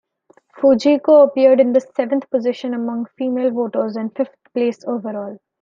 Fujiko appeared in the seventh position among female voters, and fifth place overall.